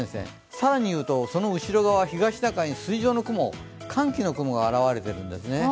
更に言うとその後側、東シナ海に筋状の雲、寒気の雲が現れているんですね。